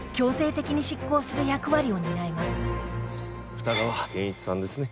二川研一さんですね。